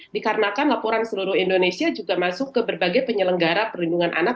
dikarenakan laporan seluruh indonesia juga masuk ke berbagai penyelenggara perlindungan anak